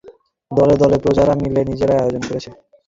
দলে দলে প্রজারা মিলে নিজেরাই আয়োজন করেছে।